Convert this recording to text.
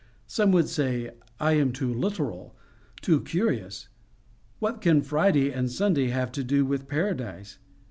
Some would say, I am too literal, too curious; what can Friday and Sunday have to do with Paradise?